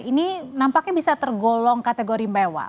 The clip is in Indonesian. ini nampaknya bisa tergolong kategori mewah